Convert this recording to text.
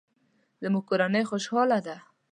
زموږ کورنۍ خوشحاله ده